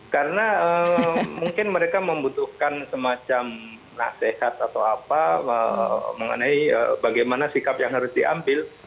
karena mungkin mereka membutuhkan semacam nasihat atau apa mengenai bagaimana sikap yang harus diambil